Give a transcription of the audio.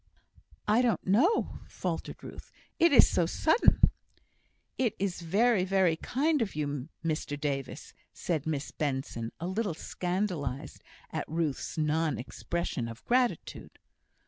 "I don't know," faltered Ruth. "It is so sudden " "It is very, very kind of you, Mr Davis," said Miss Benson, a little scandalised at Ruth's non expression of gratitude.